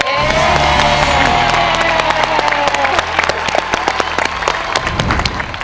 เย้